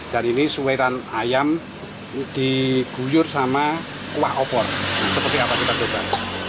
dan ini suweran ayam diguyur sama kuah opor seperti apa kita coba